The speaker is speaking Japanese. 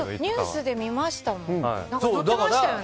ニュースで見ましたよ。